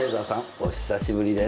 お久しぶりです！